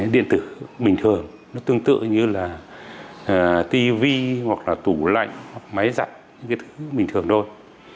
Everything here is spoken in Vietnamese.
điện tử bình thường nó tương tự như là tv hoặc là tủ lạnh hoặc máy dặn những cái thứ bình thường thôi